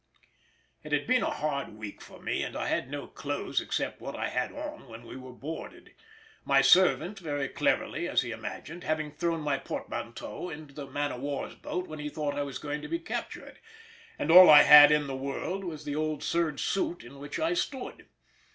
It had been a hard week for me, as I had no clothes except what I had on when we were boarded,—my servant very cleverly, as he imagined, having thrown my portmanteau into the man of war's boat when he thought I was going to be captured, and all I had in the world was the old serge suit in which I stood.